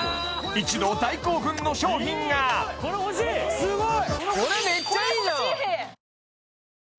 一同大興奮の商品がこれ欲しいすごい！